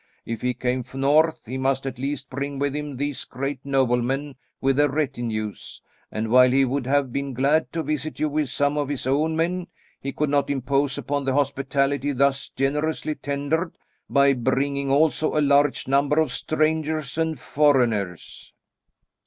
If he came north, he must at least bring with him these great noblemen with their retinues; and while he would have been glad to visit you with some of his own men, he could not impose upon the hospitality thus generously tendered, by bringing also a large number of strangers and foreigners."